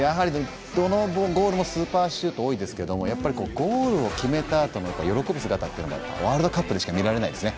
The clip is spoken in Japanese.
どのゴールもスーパーシュート多いですけどゴールを決めて喜ぶ姿っていうのはワールドカップでしか見られないですね。